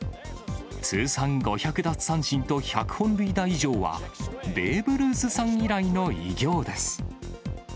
通算５００奪三振と１００本塁打以上は、ベーブ・ルースさん以来の偉業です。